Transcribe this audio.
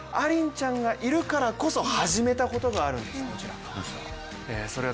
そしてアリンちゃんがいるからこそ始めたことがあるんです、こちら。